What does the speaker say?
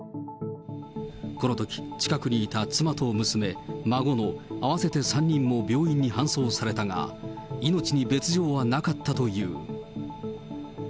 このとき近くにいた妻と娘、孫の合わせて３人も病院に搬送されたが、命に別状はなかったという。